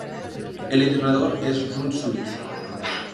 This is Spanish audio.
El entrenador es Ron Sweet.